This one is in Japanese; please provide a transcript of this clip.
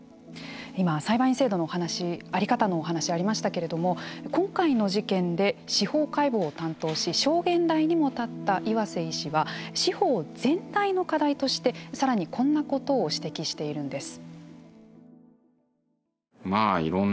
今、裁判員制度の在り方のお話ありましたけれども今回の事件で司法解剖を担当し証言台にも立った岩瀬医師は司法全体の課題としてさらにこんなことを指摘しているんです。